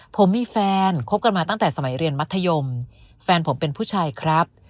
ผมมีแฟนคบกันมาตั้งแต่สมัยเรียนมัธยมแฟนผมเป็นผู้ชายครับ